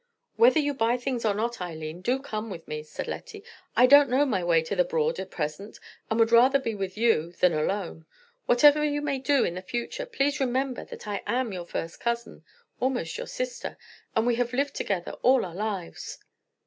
"Whether you buy things or not, Eileen, do come with me," said Lettie. "I don't know my way to the Broad at present, and would rather be with you than alone. Whatever you may do in the future, please remember that I am your first cousin, almost your sister, and we have lived together all our lives."